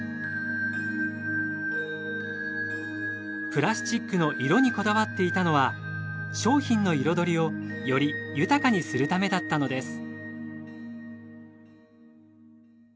プラスチックの色にこだわっていたのは商品の彩りをより豊かにするためだったのです。